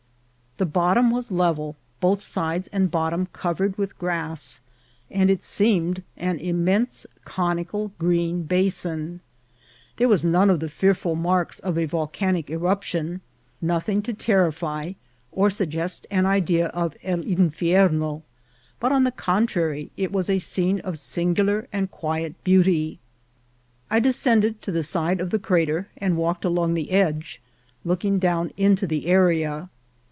The bot tom was level, both sides and bottom covered with grass, and it seemed an immense conical green basin. There were none of the fearful marks of a volcanic eruption; nothing to terrify, or suggest an idea of el in fierno ; but, on the contrary, it was a scene of singular and quiet beauty. I descended to the side of the cra ter, and walked along the edge, looking down into the area.